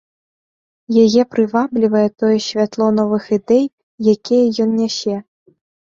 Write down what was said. Яе прываблівае тое святло новых ідэй, якія ён нясе.